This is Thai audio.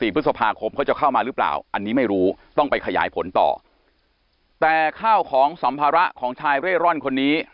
พฤษภาคมเขาจะเข้ามาหรือเปล่าอันนี้ไม่รู้ต้องไปขยายผลต่อแต่ข้าวของสัมภาระของชายเร่ร่อนคนนี้